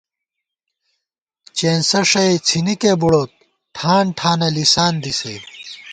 چېنسہ ݭَئ څِھنِکےبُڑوت ، ٹھان ٹھانہ لِساندی سے